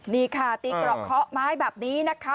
นี่ค่ะตีเกราะเคาะไม้แบบนี้นะคะ